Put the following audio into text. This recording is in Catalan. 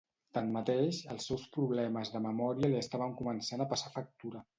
Tanmateix, els seus problemes de memòria li estaven començant a passar factura.